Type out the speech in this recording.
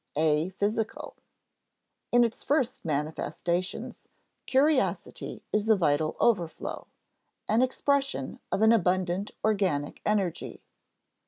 [Sidenote: (a) physical] (a) In its first manifestations, curiosity is a vital overflow, an expression of an abundant organic energy.